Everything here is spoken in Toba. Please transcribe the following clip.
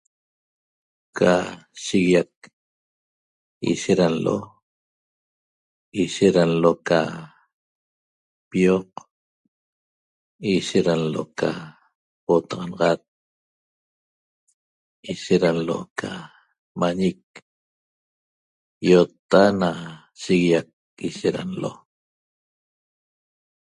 Ca shihiaxpi ishet da alooishet da aloo ca pioq, ishet da aloo ca potaxanaxat, ishet da aloo ca mañeq, iottaa na shiguiaq da ishet da aloo